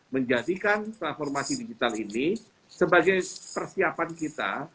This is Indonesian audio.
menjadikan transformasi digital ini sebagai persiapan kita